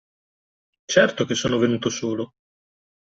Certo che son venuto solo!